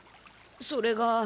それが。